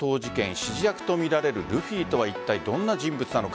指示役とみられるルフィとはいったいどんな人物なのか。